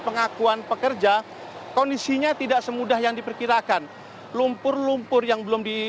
pengakuan pekerja kondisinya tidak semudah yang diperkirakan lumpur lumpur yang belum